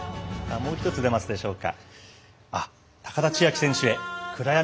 もう１つ出ますでしょうか。